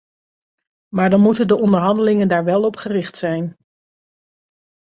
Maar dan moeten de onderhandelingen daar wel op gericht zijn.